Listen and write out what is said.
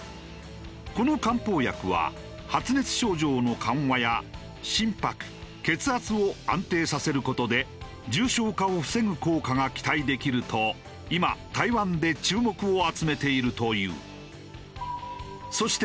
この漢方薬は発熱症状の緩和や心拍血圧を安定させる事で重症化を防ぐ効果が期待できると今台湾で注目を集めているという。